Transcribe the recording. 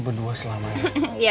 bersama selama yang akan datang